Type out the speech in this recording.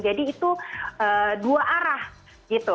jadi itu dua arah gitu